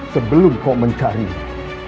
sebelum kau mencarinya